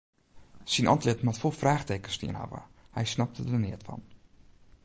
Syn antlit moat fol fraachtekens stien hawwe, hy snapte der neat fan.